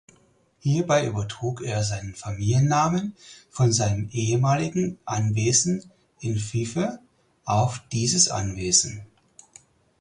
Hierbei übertrug er seinen Familiennamen von seinem ehemaligen Anwesen in Fife auf dieses Anwesen.